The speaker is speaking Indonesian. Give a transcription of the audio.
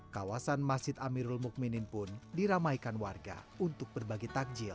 kawasan masjid amirul mukminin pun diramaikan warga untuk berbagi takjil